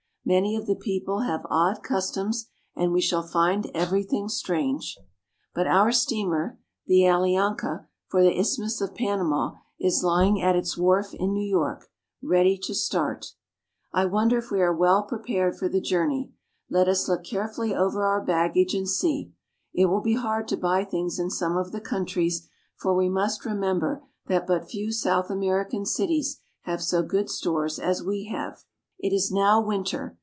Many of the peo ple have odd customs, and we shall find everything strange. But our steamer, the Allianfa, for the Isthmus of Pana ma, is lying at its wharf in New York, ready to start. I Our steamer is ready to start.' VOYAGE TO PANAMA. II wonder if we are well prepared for the journey. Let us look carefully over our baggage and see. It will be hard to buy things in some of the countries, for we must remem ber that but few South American cities have so good stores as we have. It is now winter.